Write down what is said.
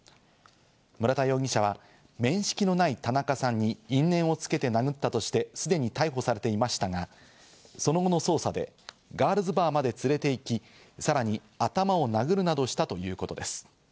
村田容疑者は面識のない田中さんに因縁をつけて殴ったとして、すでに逮捕されていましたが、その後の捜査でガールズバーまで連れて行き、さらに頭を殴るなどしたということです。